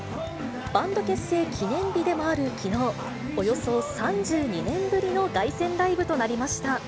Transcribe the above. バンド結成記念日でもあるきのう、およそ３２年ぶりの凱旋ライブとなりました。